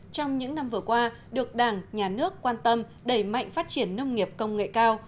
trong những năm vừa qua được đảng nhà nước quan tâm đẩy mạnh phát triển nông nghiệp công nghệ cao